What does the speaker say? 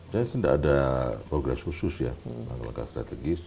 saya tidak ada progres khusus ya